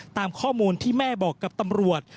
ตามข้อมูลที่แม่บอกกับตำรวจ